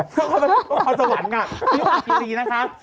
สภพยุหาคีรีนะคะ